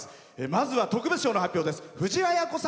まずは特別賞の発表です。